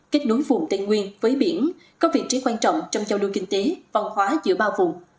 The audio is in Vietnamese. kết nối vùng tây nguyên với biển có vị trí quan trọng trong giao đua kinh tế văn hóa giữa ba vùng